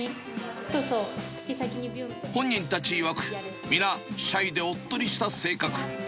本人たちいわく、皆シャイでおっとりとした性格。